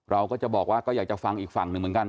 เราก็จะบอกว่าก็อยากจะฟังอีกฝั่งหนึ่งเหมือนกัน